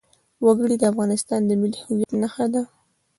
وګړي د افغانستان د ملي هویت نښه ده.